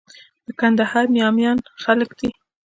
د کندهار ناميان خلک دي.